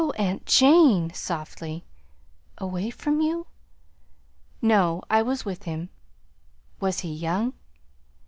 aunt Jane!" softly. "Away from you?" "No, I was with him." "Was he young?"